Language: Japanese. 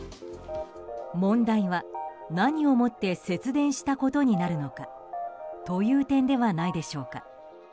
問題は何をもって節電したことになるのかという点ではないでしょうか。